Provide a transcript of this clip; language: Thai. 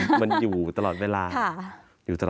สวัสดีครับทุกคน